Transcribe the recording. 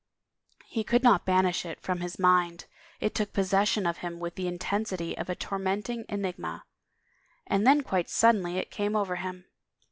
He could not banish it from his mind, it took posses sion of him with the intensity of a tormenting enigma. And then quite suddenly it came over him.